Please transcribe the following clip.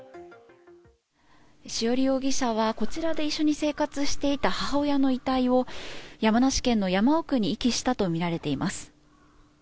潮理容疑者は、こちらで一緒に生活していた母親の遺体を山梨県の山奥に遺棄したとみられています。